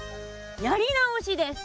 やり直しです。